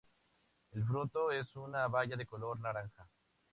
El fruto es una baya de color naranja.